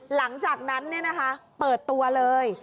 หลังจากนั้นเนี่ยนะคะเปิดตัวเลย